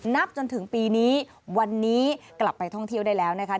นับจนถึงปีนี้วันนี้กลับไปท่องเที่ยวได้แล้วนะคะ